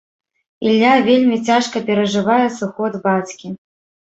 Ілля вельмі цяжка перажывае сыход бацькі.